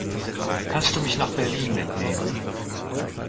Kannst du mich nach Berlin mitnehmen?